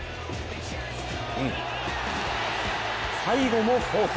最後もフォーク。